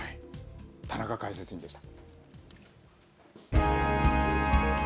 田中解説委員でした。